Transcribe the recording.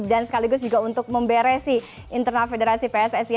dan sekaligus juga untuk memberesi internal federasi pssi